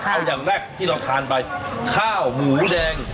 เอาอย่างแรกที่เราทานไปข้าวหมูแดง